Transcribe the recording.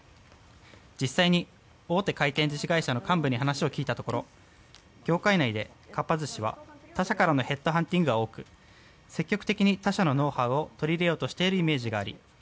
実際に大手回転寿司会社の幹部に話を聞いたところ業界内で、かっぱ寿司は他社からのヘッドハンティングが多く積極的に他社のノウハウを取り入れようとしているイメージがあり